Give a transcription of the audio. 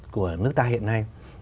của nước ta hiện nay